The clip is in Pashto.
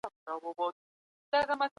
په وضعي قوانینو کي ځیني وخت تېروتنې وي.